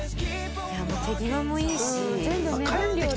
手際もいいし。